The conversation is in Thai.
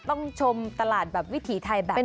ต้องชมตลาดแบบวิถีไทยแบบนี้